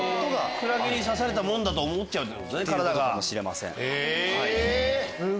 クラゲに刺されたもんだと思っちゃうってことね体が。